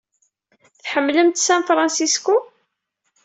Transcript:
Tḥemmlemt San Francisco?